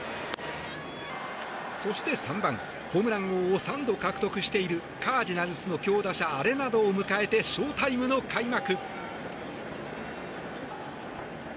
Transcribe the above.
そして３番、ホームラン王を３度獲得しているカージナルスの強打者アレナドを迎えてショータイムの開幕。